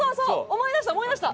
思い出した思い出した！